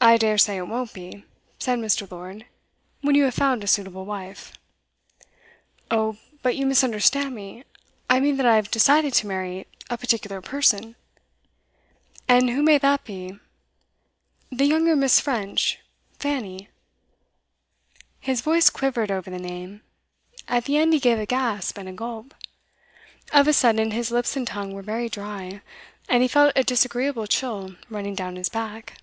'I dare say it won't be,' said Mr. Lord, 'when you have found a suitable wife.' 'Oh, but you misunderstand me. I mean that I have decided to marry a particular person.' 'And who may that be?' 'The younger Miss. French Fanny.' His voice quivered over the name; at the end he gave a gasp and a gulp. Of a sudden his lips and tongue were very dry, and he felt a disagreeable chill running down his back.